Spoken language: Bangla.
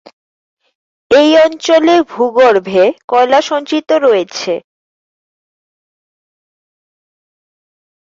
এই অঞ্চলে ভূগর্ভে কয়লা সঞ্চিত রয়েছে।